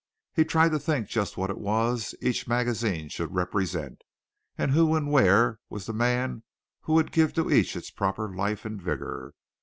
He tried to think just what it was each magazine should represent, and who and where was the man who would give to each its proper life and vigor.